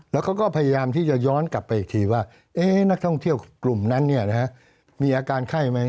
แล้วเขาก็พยายามที่จะย้อนกลับไปอีกทีว่านักท่องเที่ยวกลุ่มนั้นมีอาการไข้ไหม